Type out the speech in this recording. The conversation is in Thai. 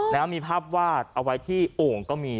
นะฮะมีภาพวาดเอาไว้ที่โอ่งก็มี